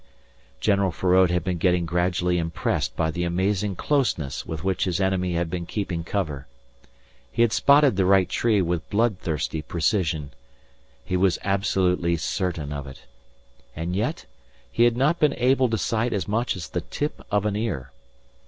General Feraud had been getting gradually impressed by the amazing closeness with which his enemy had been keeping cover. He had spotted the right tree with bloodthirsty precision. He was absolutely certain of it. And yet he had not been able to sight as much as the tip of an ear.